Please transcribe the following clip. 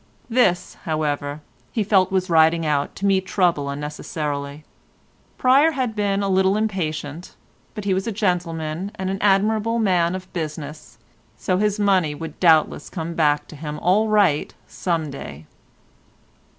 This, however, he felt was riding out to meet trouble unnecessarily. Pryer had been a little impatient, but he was a gentleman and an admirable man of business, so his money would doubtless come back to him all right some day.